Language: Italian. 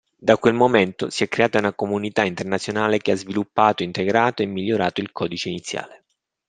Da quel momento si è creata una comunità internazionale che ha sviluppato, integrato e migliorato il codice iniziale.